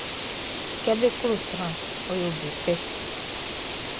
Kɛ be klo sranʼn, ɔ yo be fɛ.